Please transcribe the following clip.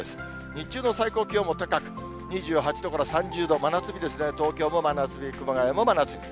日中の最高気温も高く、２８度から３０度、真夏日ですね、東京も真夏日、熊谷も真夏日。